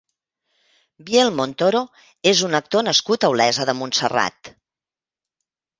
Biel Montoro és un actor nascut a Olesa de Montserrat.